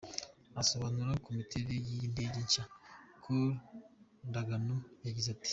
Asobanura ku miterere y’iyi ndege nshya, Col Ndagano yagize ati:.